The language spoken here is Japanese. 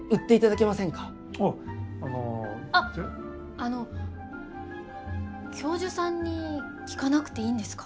あの教授さんに聞かなくていいんですか？